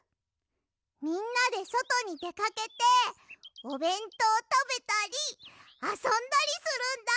みんなでそとにでかけておべんとうたべたりあそんだりするんだ！